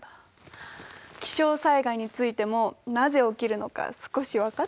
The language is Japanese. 気象災害についてもなぜ起きるのか少し分かってきたぞ。